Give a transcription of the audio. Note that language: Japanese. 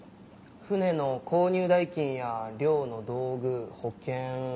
船の購入代金や漁の道具保険